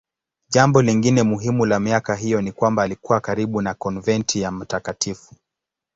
Jambo lingine muhimu la miaka hiyo ni kwamba alikuwa karibu na konventi ya Mt.